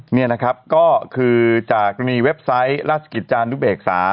นี่นะครับก็คือจากมีเว็บไซต์ราชกิจจานุเบกษา